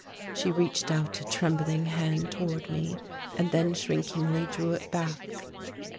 She reached out a trembling hand toward me and then shrinkingly drew it back.